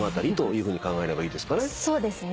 そうですね。